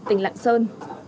tỉnh lạng sơn